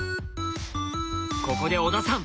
ここで小田さん